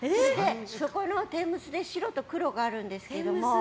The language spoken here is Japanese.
そこの天むすで白と黒があるんですけど。